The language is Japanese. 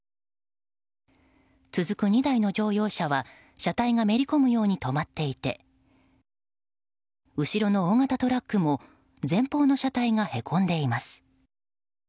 続く２台の乗用車は車体がめり込むように止まっていて後ろの大型トラックも前方の車体がへこんでいます。